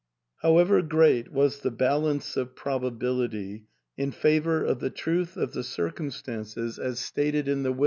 However great was the balance of probability in favour of the truth of the circumstances as stated in the THE ENTAIL.